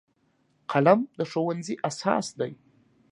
قلم د ښوونځي اساس دی